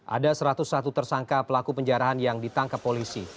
ada satu ratus satu tersangka pelaku penjarahan yang ditangkap polisi